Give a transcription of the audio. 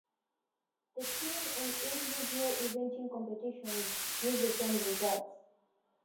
The team and individual eventing competitions used the same results.